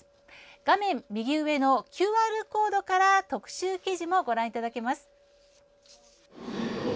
画面右上のＱＲコードから特集記事もご覧いただけます。